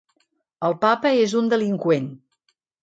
El papa és un delinqüent.